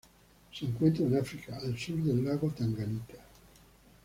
Se encuentra en África: al sur del lago Tanganika.